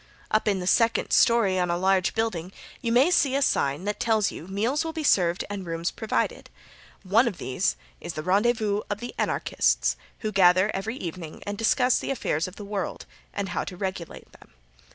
Up in the second story on a large building you may see a sign that tells you meals will be served and rooms provided. One of these is the rendezvous of Anarchists, who gather each evening and discuss the affairs of the world, and how to regulate them.